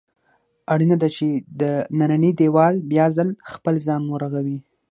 اړینه ده چې دننی دېوال بیا ځل خپل ځان ورغوي.